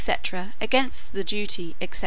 against the duty, etc.